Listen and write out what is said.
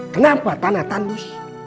kenapa tanah tandus